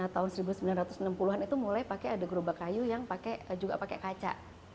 tahun seribu sembilan ratus enam puluh an itu mulai pakai ada gerobak kayu yang juga pakai kaca